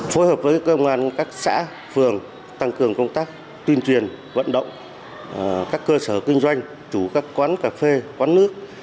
phối hợp với công an các xã phường tăng cường công tác tuyên truyền vận động các cơ sở kinh doanh chủ các quán cà phê quán nước